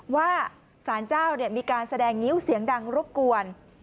ว่าสารเจ้ามีการแสดงงิ้วเสียงดังรบกวน